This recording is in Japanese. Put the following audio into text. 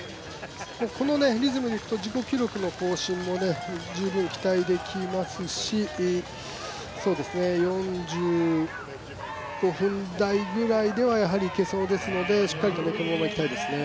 このリズムでいくと自己記録の更新も十分期待できますし４５分台くらいではいけそうですので、しっかりとこのままいきたいですね。